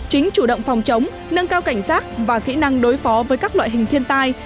chính chủ động phòng chống nâng cao cảnh giác và kỹ năng đối phó với các loại hình thiên tai